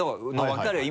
分かるよ